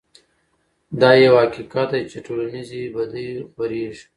دا يو حقيقت دی چې ټولنيزې بدۍ خورېږي.